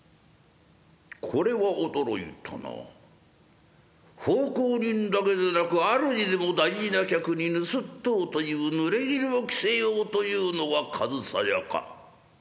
「これは驚いたな奉公人だけでなく主でも大事な客に盗っ人というぬれぎぬを着せようというのは上総屋か？」。